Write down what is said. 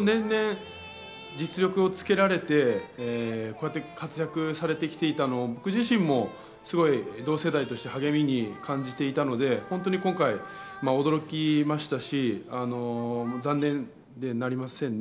年々、実力をつけられてこうやって活躍されてきたのを僕自身も同世代として励みに感じていたので今回驚きましたし残念でなりません。